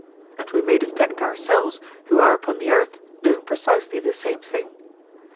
And we may detect ourselves who are upon the earth doing precisely the same thing.